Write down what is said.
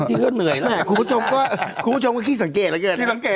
คุณผู้ชมก็คุณผู้ชมก็สังเกตนะ